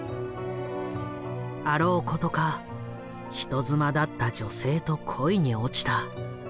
あろうことか人妻だった女性と恋に落ちた。